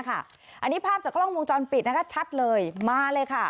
อันนี้ภาพจากกล้องวงจรปิดนะคะชัดเลยมาเลยค่ะ